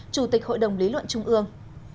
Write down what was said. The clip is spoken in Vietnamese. chủ tịch hội đồng lý luận trung ương